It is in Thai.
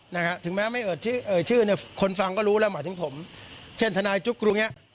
นะฮะถึงแม้ไม่เอ่ยชื่อเอ่ยชื่อเนี่ยคนฟังก็รู้แล้วหมายถึงผมเช่นทนายจุ๊กกรุงเนี้ย